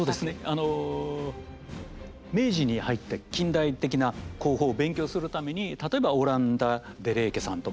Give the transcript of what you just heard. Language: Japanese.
あの明治に入って近代的な工法を勉強するために例えばオランダデ・レーケさんとかですね